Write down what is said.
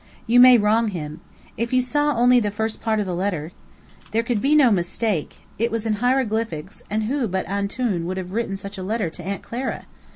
"You may wrong him. If you saw only the first part of the letter " "There could be no mistake. It was in hieroglyphics, and who but 'Antoun' would have written such a letter to Aunt Clara?